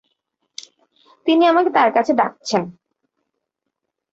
তিনি আমাকে তাঁর কাছে ডাকছেন।